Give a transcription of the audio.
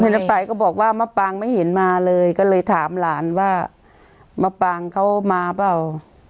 รถไฟก็บอกว่ามะปางไม่เห็นมาเลยก็เลยถามหลานว่ามะปางเขามาเปล่า